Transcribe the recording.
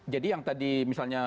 jadi yang tadi misalnya